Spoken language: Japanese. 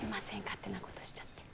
勝手な事しちゃって。